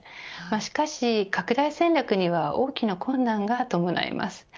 しかし、拡大戦略には多くの困難が伴います。